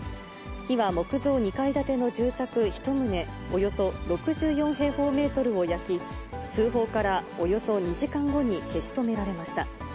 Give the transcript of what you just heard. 火は木造２階建ての住宅１棟およそ６４平方メートルを焼き、通報からおよそ２時間後に消し止められました。